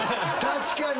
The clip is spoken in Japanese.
確かに。